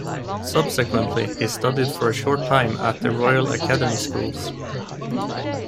Subsequently, he studied for a short time at the Royal Academy Schools.